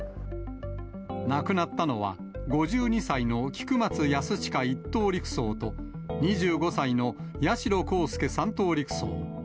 亡くなったのは、５２歳の菊松安親１等陸曹と、２５歳の八代こうすけ３等陸曹。